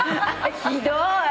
ひどい！